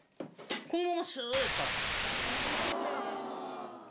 このままシューですから。